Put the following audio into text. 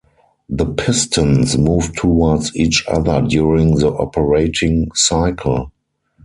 The pistons moved towards each other during the operating cycle.